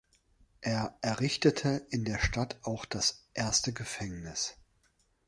Er errichtete in der Stadt auch das erste Gefängnis.